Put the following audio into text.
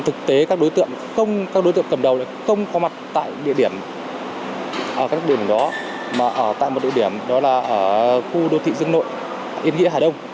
thực tế các đối tượng cầm đầu không có mặt tại địa điểm đó mà ở tại một địa điểm đó là ở khu đô thị dương nội yên nghĩa hải đông